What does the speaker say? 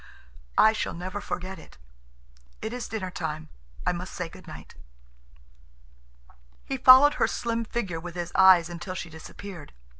I shall never forget it. It is dinner time. I must say good night." He followed her slim figure with his eyes until she disappeared.